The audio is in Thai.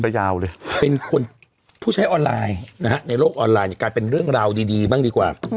ยาวเลยเป็นคนผู้ใช้ออนไลน์นะฮะในโลกออนไลน์เนี่ยกลายเป็นเรื่องราวดีบ้างดีกว่า